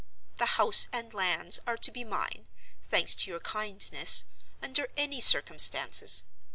The house and lands are to be mine (thanks to your kindness) under any circumstances.